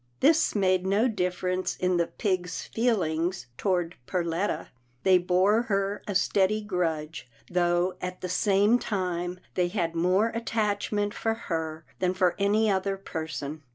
This made no difference in the pigs' feelings toward Perletta. They bore her a steady grudge, though, at the same time, they had more attach ment for her than for any other person.